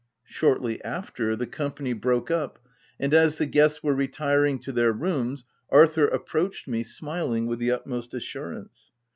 Shortly after, the com pany broke up, and as the guests were retiring to their rooms, Arthur approached me, smiling with the utmost assurance.